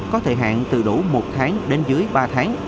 có thời hạn từ đủ một tháng đến dưới ba tháng